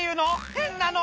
変なの！」